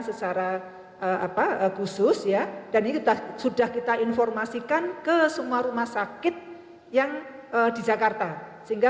secara apa khusus ya dan itu sudah kita informasikan ke semua rumah sakit yang di jakarta sehingga